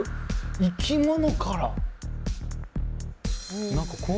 生き物から。